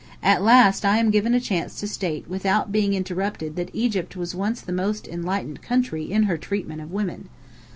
At last I am given a chance to state without being interrupted that Egypt was once the most enlightened country in her treatment of women.